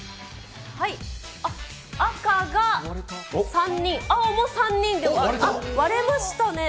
赤が３人、青も３人で、割れましたね。